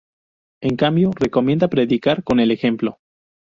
En cambio, recomienda predicar con el ejemplo.